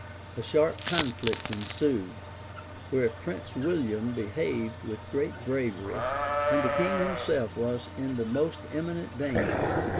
A sharp conflict ensued, where Prince William behaved with great bravery, and the king himself was in the most imminent danger.